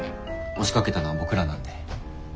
押しかけたのは僕らなんで。